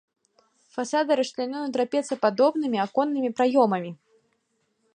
Фасады расчлянёны трапецападобнымі аконнымі праёмамі.